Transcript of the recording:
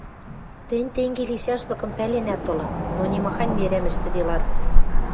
Тӹнь тенге лишӓшлыкым пӓленӓт ылын, но нимахань мерӓм ӹштӹделат.